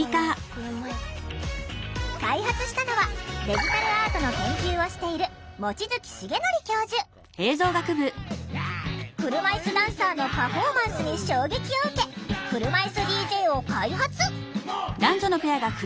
開発したのはデジタルアートの研究をしている車いすダンサーのパフォーマンスに衝撃を受け「車いすＤＪ」を開発。